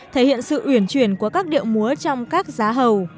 thể hiện sự uyển chuyển của các điệu múa trong các giá hầu